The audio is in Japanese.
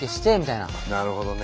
なるほどね。